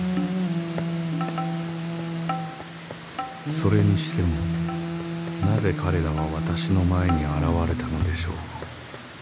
［それにしてもなぜ彼らは私の前に現れたのでしょう？］